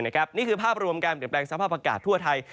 นี่คือภาพรวมการเปลี่ยนแปลงสภาพอากาศทั่วไทย